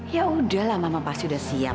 yaudah lah mama pasti udah siap